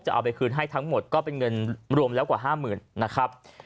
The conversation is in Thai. เอาไปคืนให้ทั้งหมดก็เป็นเงินรวมแล้วกว่า๕๐๐๐นะครับ